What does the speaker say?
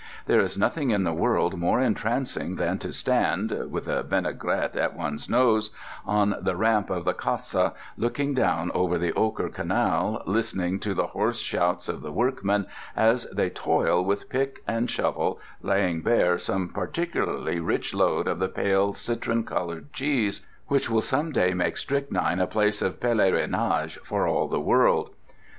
There is nothing in the world more entrancing than to stand (with a vinaigrette at one's nose) on the ramp of the Casa, looking down over the ochre canal, listening to the hoarse shouts of the workmen as they toil with pick and shovel, laying bare some particularly rich lode of the pale, citron coloured cheese which will some day make Strychnine a place of pélérinage for all the world.